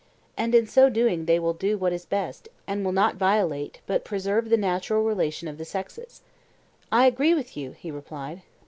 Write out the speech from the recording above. And in so doing they will do what is best, and will not violate, but preserve the natural relation of the sexes. I agree with you, he replied.